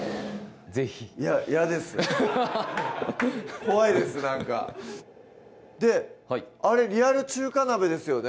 是非いや嫌です怖いですなんかあれリアル中華鍋ですよね？